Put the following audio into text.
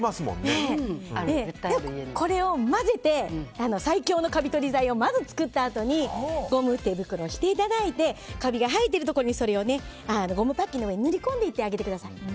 これを混ぜて最強のカビ取り剤を作ったあとにゴム手袋していただいてカビが生えているところにそれをゴムパッキンの上に塗り込んでいってあげてください。